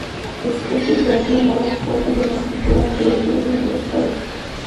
Este imperativo moral fue especialmente popular entre los estudiantes universitarios.